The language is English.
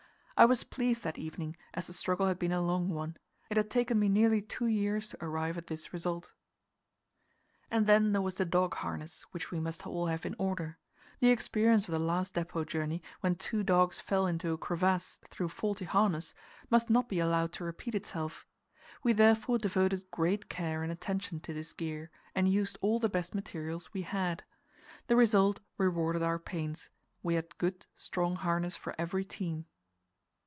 I was pleased that evening, as the struggle had been a long one; it had taken me nearly two years to arrive at this result. And then there was the dog harness, which we must all have in order. The experience of the last depot journey, when two dogs fell into a crevasse through faulty harness, must not be allowed to repeat itself, We therefore devoted great care and attention to this gear, and used all the best materials we had. The result rewarded our pains; we had good, strong harness for every team.